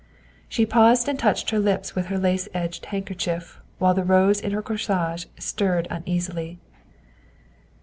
She paused and touched her lips with her lace edged handkerchief while the rose in her corsage stirred uneasily.